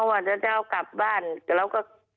ว่าเจ้ากลับบ้านเราก็